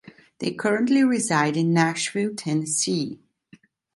They currently reside in Nashville, Tennessee.